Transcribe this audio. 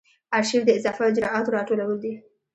آرشیف د اضافه اجرااتو راټولول دي.